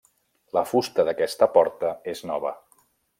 La fusta d'aquesta porta és nova.